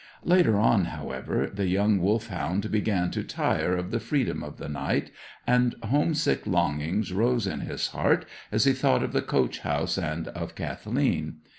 Later on, however, the young Wolfhound began to tire of the freedom of the night, and home sick longings rose in his heart as he thought of the coach house and of Kathleen.